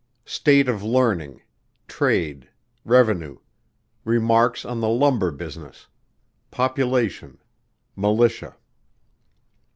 _State of Learning. Trade. Revenue. Remarks on the Lumber Business. Population. Militia.